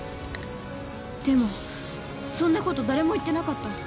でもそんなこと誰も言ってなかった！